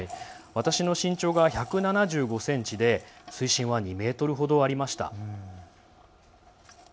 私の身長が１７５ｃｍで水深は２ｍほどありました。